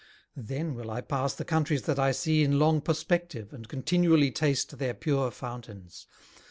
Then will I pass the countries that I see In long perspective, and continually Taste their pure fountains.